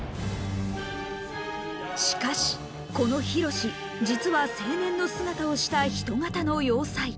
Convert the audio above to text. しかしこのヒロシ実は青年の姿をした人型の要塞。